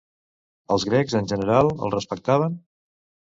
Els grecs en general el respectaven?